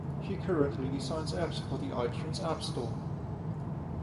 He currently designs apps for the iTunes App Store.